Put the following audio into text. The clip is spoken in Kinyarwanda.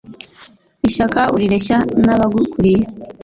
Ishyaka urireshya n'abagukuriye.